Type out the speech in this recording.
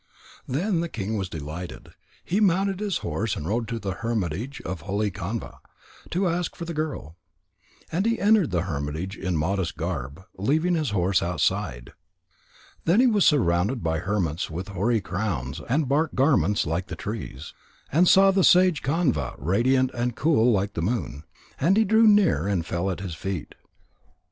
Then the king was delighted. He mounted his horse and rode to the hermitage of holy Kanva, to ask for the girl. And he entered the hermitage in modest garb, leaving his horse outside. Then he was surrounded by hermits with hoary crowns and bark garments like the trees, and saw the sage Kanva radiant and cool like the moon. And he drew near and fell at his feet.